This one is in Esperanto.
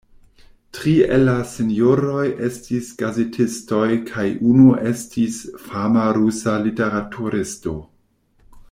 Tri el la sinjoroj estis gazetistoj kaj unu estis fama rusa literaturisto.